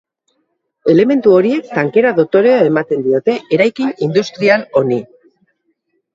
Elementu horiek tankera dotorea ematen diote eraikin industrial honi.